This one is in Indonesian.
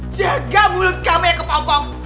jaga mulut kamu ya kepompong